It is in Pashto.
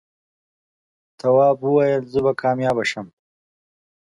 تواب وويل: زه به کامیابه شم.